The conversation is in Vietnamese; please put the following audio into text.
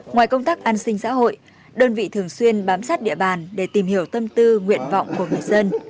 ngoài công tác an sinh xã hội đơn vị thường xuyên bám sát địa bàn để tìm hiểu tâm tư nguyện vọng của người dân